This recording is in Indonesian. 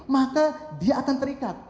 maka dia akan terikat